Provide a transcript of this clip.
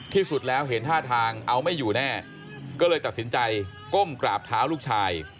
ที่สุดแล้วเห็นท่าทางเอาไม่อยู่แน่ก็เลยตัดสินใจก้มกราบเท้าลูกชาย